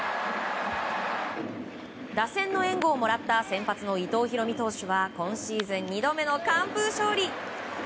打線の援護をもらった先発の伊藤大海投手は今シーズン２度目の完封勝利。